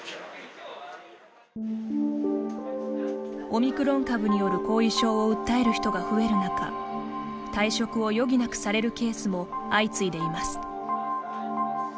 オミクロン株による後遺症を訴える人が増える中退職を余儀なくされるケースも相次いでいます。